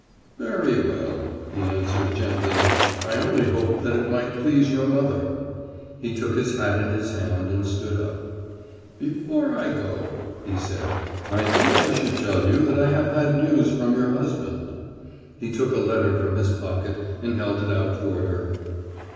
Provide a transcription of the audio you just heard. "Very well," he answered gently, "I only hoped that it might please your mother." He took his hat in his hand and stood up. "Before I go," he said, "I think I should tell you that I have had news from your husband." He took a letter from his pocket and held it out toward her.